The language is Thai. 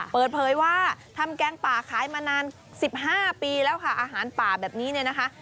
เปิดเผยว่าทำแกงป่าขายมานาน๑๕ปีแล้วค่ะอาหารป่าแบบนี้เนี่ยนะคะ